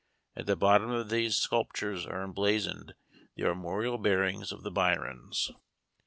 At the bottom of these sculptures are emblazoned the armorial bearings of the Byrons.